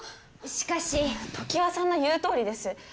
しかし常盤さんの言うとおりです